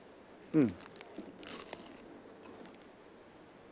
うん。